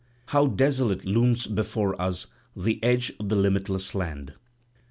How desolate looms before us the edge of the limitless land!"